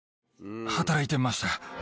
働いてました。